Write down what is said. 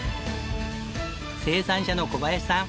生産者の小林さん